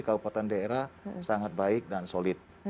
kabupaten daerah sangat baik dan solid